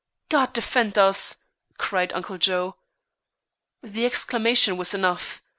"God defend us!" cried Uncle Joe. The exclamation was enough.